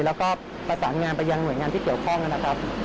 แล้วก็ประสานงานไปยังหน่วยงานที่เกี่ยวข้องนะครับ